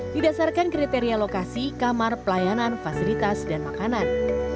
didasarkan kriteria lokasi kamar pelayanan fasilitas dan makanan